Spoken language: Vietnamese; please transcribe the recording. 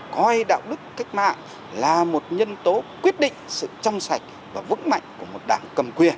coi đạo đức cách mạng là một nhân tố quyết định sự trong sạch và vững mạnh của một đảng cầm quyền